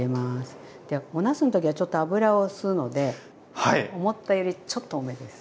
でおなすの時はちょっと油を吸うので思ったよりちょっと多めです。